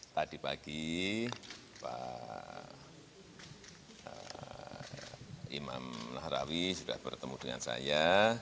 tadi pagi pak imam nahrawi sudah bertemu dengan saya